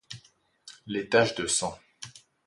Les taches de sang.